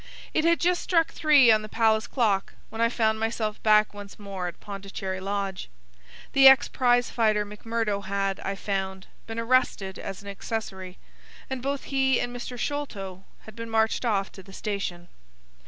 It had just struck three on the Palace clock when I found myself back once more at Pondicherry Lodge. The ex prize fighter McMurdo had, I found, been arrested as an accessory, and both he and Mr. Sholto had been marched off to the station.